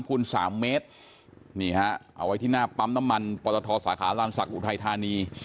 คุณสามเมตรนี่ฮะเอาไว้ที่หน้าปั๊มน้ำมันปตทสาขาลานศักดิอุทัยธานี